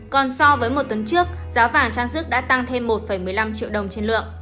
còn so với một tuần trước giá vàng trang sức đã tăng thêm một một mươi năm triệu đồng trên lượng